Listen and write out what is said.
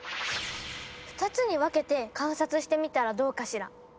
２つに分けて観察してみたらどうかしら。